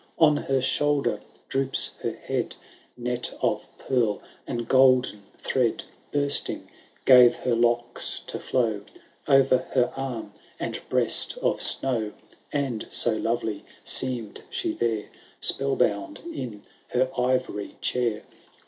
On her shoulder droops her head ; Net of pearl and golden thread. Bursting, gave her locks to flow O'er her arm and breast of snow. And so lovely seem'd she there, Spell bound in her ivory chair.